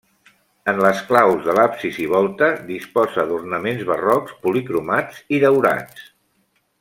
En les claus de l'absis i volta, disposa d'ornaments barrocs policromats i daurats.